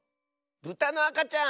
ブタのあかちゃん！